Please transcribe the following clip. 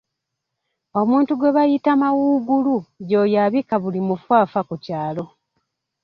Omuntu gwe bayita mawuugulu y’oyo abika buli mufu afa ku kyalo